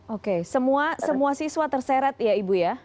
oke semua siswa terseret ya ibu ya